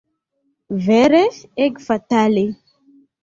Vere, ege fatale!